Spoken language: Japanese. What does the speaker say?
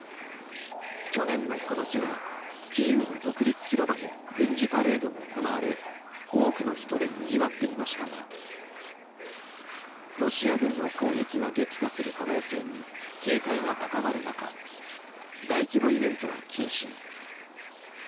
去年のこの日はキーウの独立広場で軍事パレードも行われ多くの人でにぎわっていましたがロシア軍の攻撃が激化する可能性に警戒が高まる中大規模イベントは禁止に。